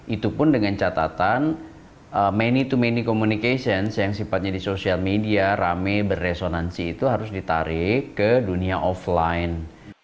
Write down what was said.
itu pun dengan catatan many to many communication yang sifatnya di sosial media rame berresonansi itu harus ditarik ke dunia offline